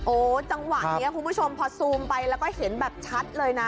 จังหวะนี้คุณผู้ชมพอซูมไปแล้วก็เห็นแบบชัดเลยนะ